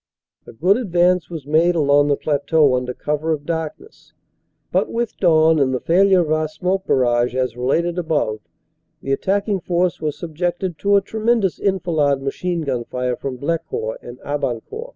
A good advance was made along the plateau under cover of darkness, but with dawn and the failure of our smoke bar rage as related above, the attacking force was subjected to a tremendous enfilade machine gun fire from Blecourt and Abancourt.